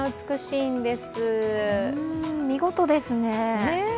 見事ですね。